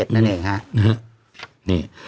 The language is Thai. ๑๕๖๗นั่นเองฮะนะฮะนี่